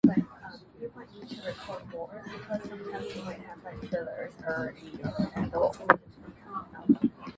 這次的內閣